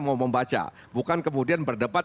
mau membaca bukan kemudian berdebat